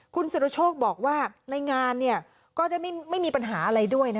คุณสุรโชคบอกว่าในงานเนี่ยก็จะไม่มีปัญหาอะไรด้วยนะคะ